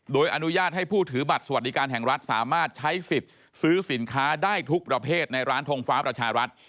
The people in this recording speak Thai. โดยอนุญาตให้ผู้ถือบัตรสวัสดิการแห่งรัฐสามารถใช้สิทธิ์ซื้อสินค้าได้ทุกประเภทในร้านทงฟ้าประชารัฐ